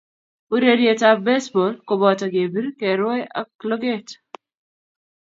Urerietab baseball koboto kebir, kerwai ak lokeet